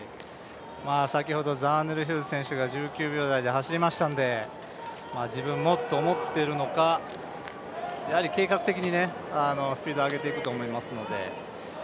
先ほどザーネル・ヒューズ選手が１９秒台で走りましたので自分もと思ってるのかやはり計画的にスピード上げていくと思いますので。